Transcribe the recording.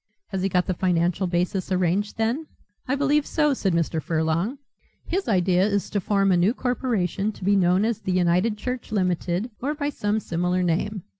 "Has he got the financial basis arranged then?" "I believe so," said Mr. Furlong. "His idea is to form a new corporation to be known as the United Church Limited or by some similar name.